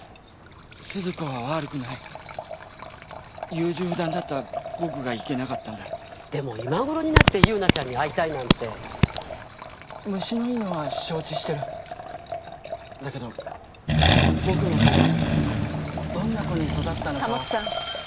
鈴子は悪くない優柔不断だった僕がいけなかったんだでも今頃になって優奈ちゃんに会いたいなんて虫のいいのは承知してるだけど僕の子がどんな子に育ったのかを保さん